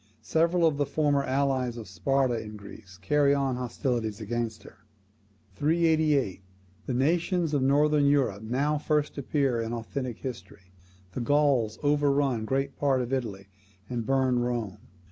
Several of the former allies of Sparta in Greece carry on hostilities against her. 388. The nations of Northern Europe now first appear in authentic history. The Gauls overrun great part of Italy, and burn Rome.